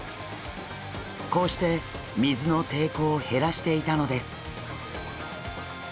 こうして水の抵抗を減らしていたのです。